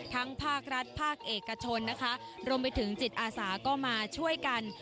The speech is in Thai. ภาครัฐภาคเอกชนนะคะรวมไปถึงจิตอาสาก็มาช่วยกัน